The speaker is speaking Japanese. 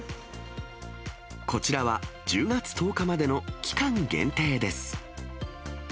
こちらは１０月１０日までの期間限定です。